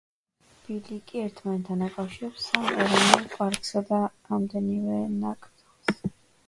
ბილიკი ერთმანეთთან აკავშირებს სამ ეროვნულ პარკსა და ამდენივე ნაკრძალს.